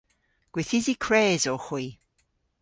Gwithysi kres owgh hwi.